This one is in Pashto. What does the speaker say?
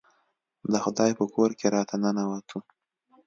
د خدای په کور کې راته ننوتو.